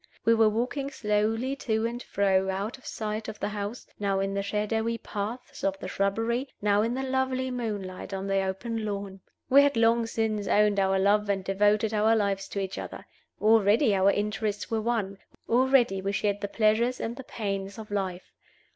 We were walking slowly to and fro, out of sight of the house, now in the shadowy paths of the shrubbery, now in the lovely moonlight on the open lawn. We had long since owned our love and devoted our lives to each other. Already our interests were one; already we shared the pleasures and the pains of life.